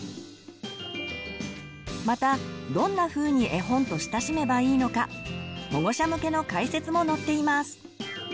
またどんなふうに絵本と親しめばいいのか保護者向けの解説も載っています。